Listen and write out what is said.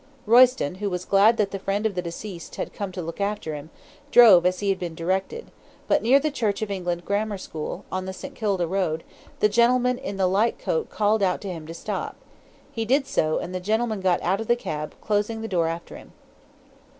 Royston, who was glad that the friend of the deceased had come to look after him, drove as he had been directed, but near the Church of England Grammar School, on the St. Kilda Road, the gentleman in the light coat called out to him to stop. He did so, and the gentleman got out of the cab, closing the door after him.